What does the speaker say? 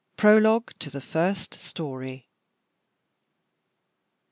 PROLOGUE TO THE FIRST STORY.